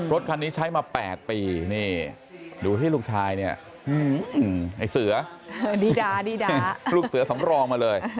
รถคันนี้ใช้มา๘ปีนี่ดูที่ลูกชายเนี่ยไอ้เสือดีดาลูกเสือสำรองมาเลย